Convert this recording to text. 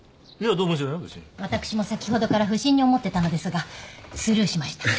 私も先ほどから不審に思ってたのですがスルーしました。